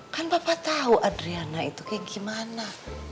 kan bapak tahu adriana itu kayak gimana